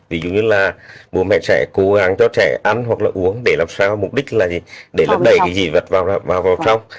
ví dụ như là bố mẹ sẽ cố gắng cho trẻ ăn hoặc là uống để làm sao mục đích là gì để đẩy cái dị vật vào trong